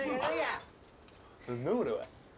何だこれは？